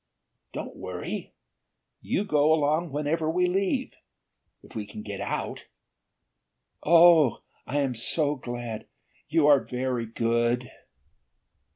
"Don't worry! You go along whenever we leave if we can get out." "Oh, I am so glad! You are very good!"